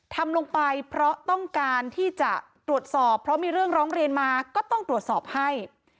ทำลงไปเพราะต้องการที่จะตรวจสอบเพราะมีเรื่องร้องเรียนมาก็ต้องตรวจสอบให้